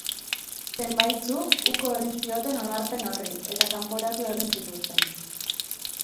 Zenbaitzuk uko egin zioten onarpen horri eta kanporatu egin zituzten.